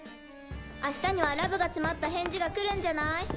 あしたにはラブが詰まった返事が来るんじゃない？